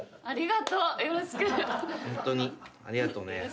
ありがとね。